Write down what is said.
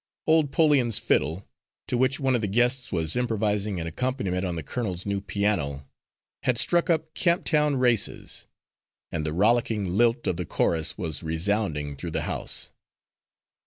Old 'Poleon's fiddle, to which one of the guests was improvising an accompaniment on the colonel's new piano, had struck up "Camptown Races," and the rollicking lilt of the chorus was resounding through the house.